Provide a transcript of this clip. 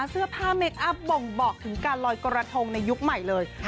เสื้อผ้าเมคอัพบ่งบอกถึงการลอยกระทงในยุคใหม่เลย